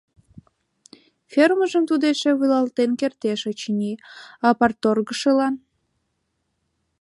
Фермыжым тудо эше вуйлатен кертеш, очыни, а парторгшылан....